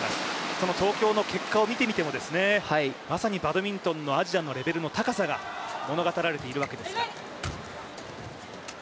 その東京の結果を見てみても、まさにバドミントンのアジアのレベルの高さが物語られているわけです。